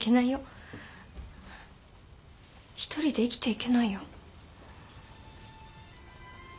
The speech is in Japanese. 一人で生きていけないよ。